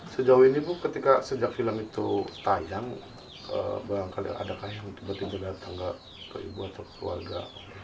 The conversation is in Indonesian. sejauh ini bu ketika sejak film itu tayang barangkali ada kayang tiba tiba datang ke ibu atau keluarga